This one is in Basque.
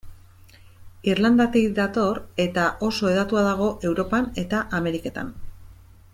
Irlandatik dator, eta oso hedatua dago Europan eta Ameriketan.